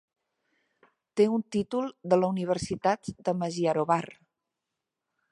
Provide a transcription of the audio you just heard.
Té un títol de la universitat de Magyarovar.